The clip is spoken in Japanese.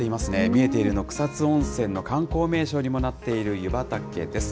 見えているのは草津温泉の観光名所にもなっている湯畑です。